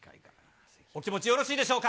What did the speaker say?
お気持ち、よろしいでしょうか。